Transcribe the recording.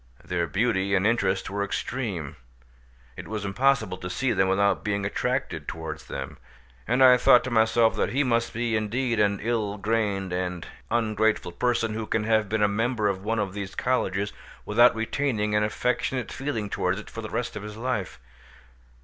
Their beauty and interest were extreme; it was impossible to see them without being attracted towards them; and I thought to myself that he must be indeed an ill grained and ungrateful person who can have been a member of one of these colleges without retaining an affectionate feeling towards it for the rest of his life.